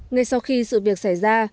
ngay sau khi sự việc xảy ra